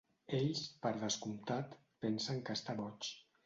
Ells, per descomptat, pensen que està boig.